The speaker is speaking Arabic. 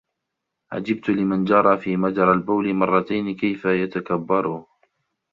عَجِبْتُ لِمَنْ جَرَى فِي مَجْرَى الْبَوْلِ مَرَّتَيْنِ كَيْفَ يَتَكَبَّرُ